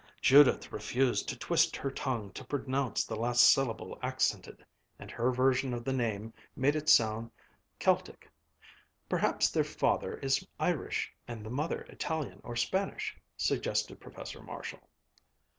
Judith refused to twist her tongue to pronounce the last syllable accented, and her version of the name made it sound Celtic. "Perhaps their father is Irish and the mother Italian or Spanish," suggested Professor Marshall.